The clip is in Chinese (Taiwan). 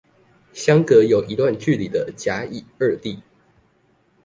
相隔有一段距離的甲乙二地